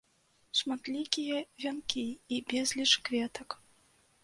Шматлікія вянкі і безліч кветак.